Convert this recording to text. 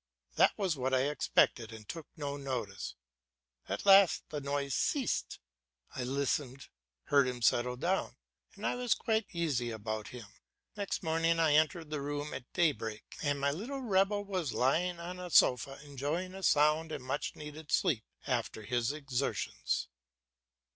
That was what I expected, and took no notice. At last the noise ceased; I listened, heard him settling down, and I was quite easy about him. Next morning I entered the room at daybreak, and my little rebel was lying on a sofa enjoying a sound and much needed sleep after his exertions.